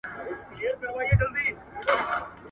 هغه هر سحر تمرین کوي.